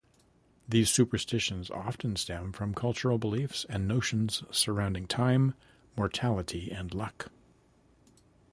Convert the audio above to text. These superstitions often stem from cultural beliefs and notions surrounding time, mortality, and luck.